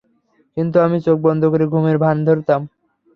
কিন্তু আমি চোখ বন্ধ করে ঘুমের ভান ধরতাম।